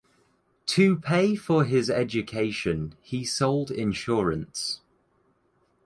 To pay for his education he sold insurance.